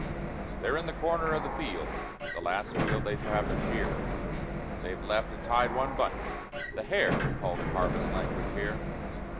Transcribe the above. END OF in the corner of the field, * The last field they shall have to shear, They've left and tied one bunch, * the hare/ Called in harvest language here.